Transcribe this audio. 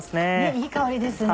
いい香りですね